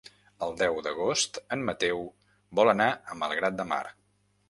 El deu d'agost en Mateu vol anar a Malgrat de Mar.